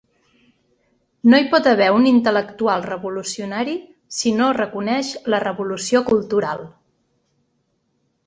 No hi pot haver un intel·lectual revolucionari si no reconeix la revolució cultural.